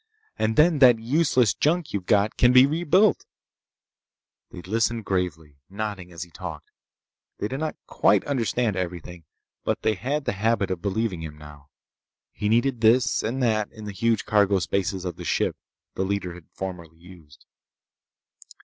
And then that useless junk you've got can be rebuilt—" They listened gravely, nodding as he talked. They did not quite understand everything, but they had the habit of believing him now. He needed this and that in the huge cargo spaces of the ship the leader had formerly used.